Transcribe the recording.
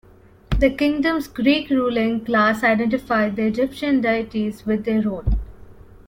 The kingdom's Greek ruling class identified the Egyptian deities with their own.